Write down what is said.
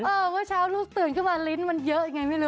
เมื่อเช้าลูกตื่นขึ้นมาลิ้นมันเยอะไงไม่รู้